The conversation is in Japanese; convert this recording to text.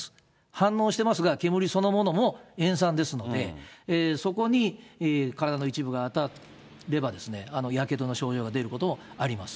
反応してますが、煙そのものも塩酸ですので、そこに体の一部が当たれば、やけどの症状が出ることもあります。